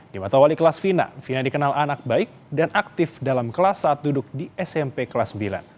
di mata wali kelas fina fina dikenal anak baik dan aktif dalam kelas saat duduk di smp kelas sembilan